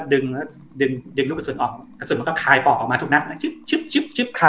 แล้วก็ดึงลูกกระสุนออกกระสุนมันก็ถ่ายปอกออกมาทุกนัก